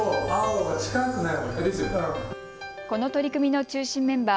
この取り組みの中心メンバー、